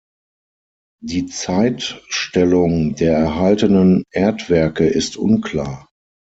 Die Zeitstellung der erhaltenen Erdwerke ist unklar.